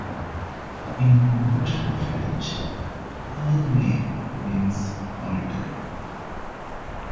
In modern French, "aulne" means "alder".